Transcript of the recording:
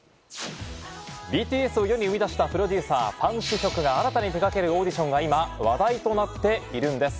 ＢＴＳを世に生み出したプロデューサー、パン・シヒョクが新たに手がけるオーディションが今、話題になっているんです。